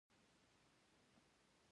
جلګه د افغانستان طبعي ثروت دی.